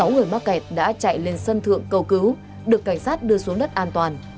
sáu người mắc kẹt đã chạy lên sân thượng cầu cứu được cảnh sát đưa xuống đất an toàn